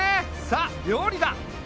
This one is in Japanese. さあ料理だ！